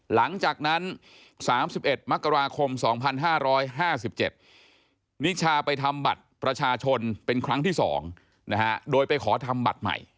หลังจากนั้น๓๑มกราคม๒๕๕๗นิชาไปทำบัตรประชาชนเป็นครั้งที่๒โดยไปขอทำบัตรใหม่